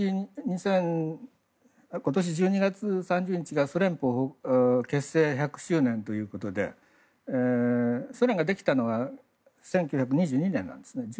今年１２月３１日がソ連邦結成１００周年ということでソ連ができたのは１９２２年なんですね。